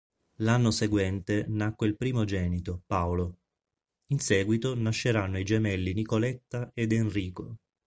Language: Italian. L'anno seguente nacque il primogenito, Paolo; in seguito nasceranno i gemelli Nicoletta ed Enrico.